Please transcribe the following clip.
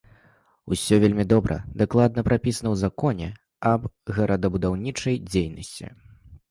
Усё вельмі добра, дакладна прапісана ў законе аб горадабудаўнічай дзейнасці.